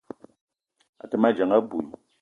A te ma dzeng abui.